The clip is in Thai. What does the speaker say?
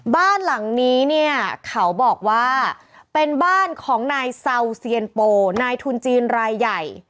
บ้านหลังนี้เนี่ยเขาบอกว่าเป็นบ้านของนายเซาเซียนโปนายทุนจีนรายใหญ่